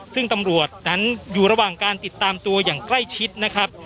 ซึ่งตำรวจนั้นอยู่ระหว่างการติดตามตัวอย่างใกล้ชิดนะครับ